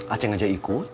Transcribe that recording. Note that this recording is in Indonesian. aceh ngajak ikut